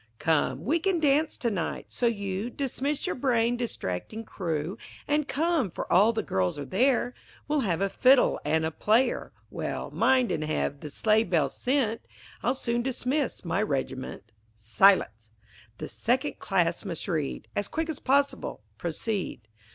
"Come, we can dance to night so you Dismiss your brain distracting crew, And come for all the girls are there, We'll have a fiddle and a player." Well, mind and have the sleigh bells sent, I'll soon dismiss my regiment. Silence! The second class must read. As quick as possible proceed.